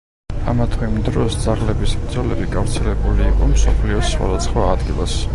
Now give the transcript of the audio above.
ამა თუ იმ დროს ძაღლების ბრძოლები გავრცელებული იყო მსოფლიოს სხვადასხვა ადგილას.